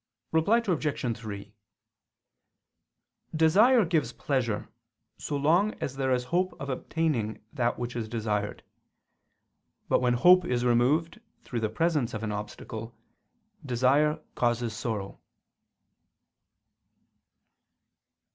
Reply Obj. 3: Desire gives pleasure, so long as there is hope of obtaining that which is desired. But, when hope is removed through the presence of an obstacle, desire causes sorrow.